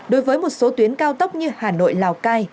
đối với một số tuyến cao tốc như hà nội lào cai